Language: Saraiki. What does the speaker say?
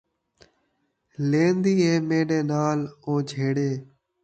لیندی اے میݙے نال او جھیڑے